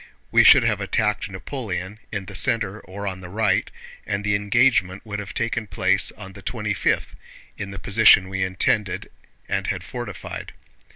We should have attacked Napoleon in the center or on the right, and the engagement would have taken place on the twenty fifth, in the position we intended and had fortified.